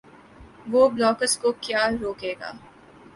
وہ بلا کس کو کیا روک گے